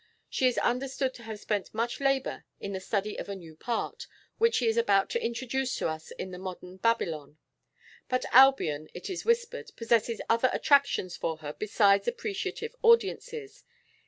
She is understood to have spent much labour in the study of a new part, which she is about to introduce to us of the modern Babylon. But Albion, it is whispered, possesses other attractions for her besides appreciative audiences.